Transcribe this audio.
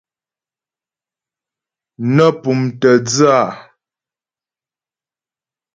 Nə́ pʉ́mtə̀ dhə́ a.